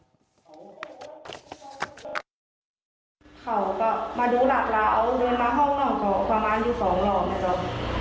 เขาก็มาดูหลับแล้วเอาเรือนมาห้องนอกเพราะประมาณอยู่สองรอบนะเจ้า